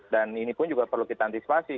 dan ini pun juga perlu kita antisipasi